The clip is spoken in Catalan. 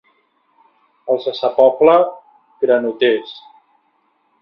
Els de sa Pobla, granoters.